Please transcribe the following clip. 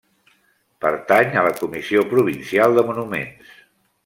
Pertany a la Comissió Provincial de Monuments.